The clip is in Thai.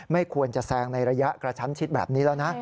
ไม่ควรจะแซงในระยะกระชั้นชิดแบบนี้แล้วนะ